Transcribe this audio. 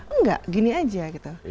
enggak gini aja gitu